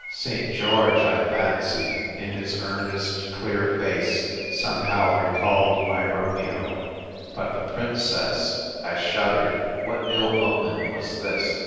St. George, I fancied, in his earnest, clear face, somehow recalled my Romeo ; but the Princess — I shuddered : what ill omen was this